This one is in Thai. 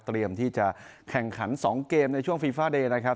ที่จะแข่งขัน๒เกมในช่วงฟีฟาเดย์นะครับ